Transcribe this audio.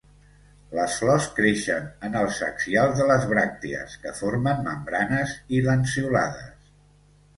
Les flors creixen en els axials de les bràctees que formen membranes i lanceolades.